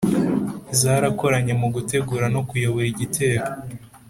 zarakoranye mu gutegura no kuyobora igitero.